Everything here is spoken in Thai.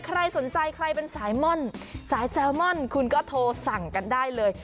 ใครสนใจใครเป็นสายม่อนสายแซลมอนคุณก็โทรสั่งกันได้เลย